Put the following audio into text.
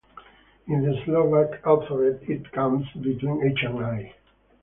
In the Slovak alphabet, it comes between "H" and "I".